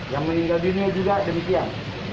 yang meninggal dunia juga demikian